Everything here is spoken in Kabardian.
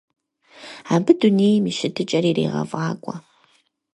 Абы дунейм и щытыкӀэр ирегъэфӀакӀуэ.